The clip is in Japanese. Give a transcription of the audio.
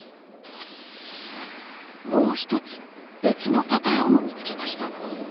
もう一つ別のパターンも見つけました。